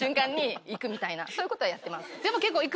みたいなそういうことはやってます。